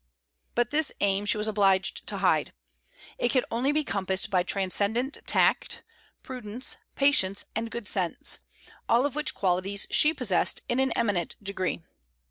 But this aim she was obliged to hide. It could only be compassed by transcendent tact, prudence, patience, and good sense, all of which qualities she possessed in an eminent degree.